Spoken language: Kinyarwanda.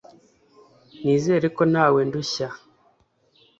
Nizere ko ntawe ndushya.